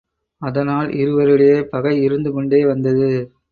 அதனால் இருவரிடையே பகை இருந்து கொண்டே வந்தது.